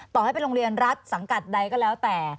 ต่อให้เป็นโรงเรียนรัฐสังกัดใดก็แล้วแต่